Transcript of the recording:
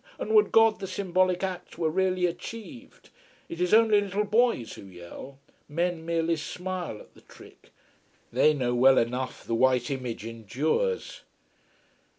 And would God the symbolic act were really achieved. It is only little boys who yell. Men merely smile at the trick. They know well enough the white image endures.